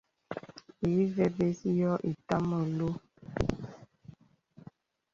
Ìvə bə̀s yɔ̄ɔ̄ ìtàm məluə̀.